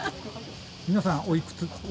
皆さんおいくつですか？